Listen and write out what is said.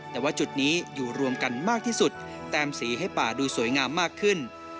แต่ว่าจุดนี้อยู่รวมกันมากที่สุดแต้มสีให้ป่าดูสวยงามมากขึ้น